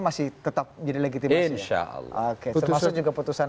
masih tetap jadi legitima insya allah putusan